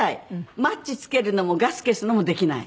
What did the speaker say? マッチつけるのもガス消すのもできない。